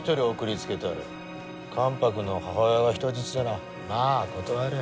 関白の母親が人質ならま断れん。